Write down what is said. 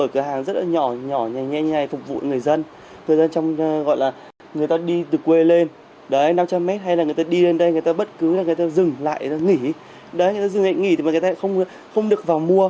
khách hàng có mua ở đâu cũng được